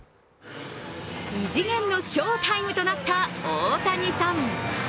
異次元の翔タイムとなった大谷さん。